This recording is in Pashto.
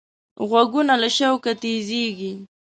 غوږونه له شوقه تیزېږي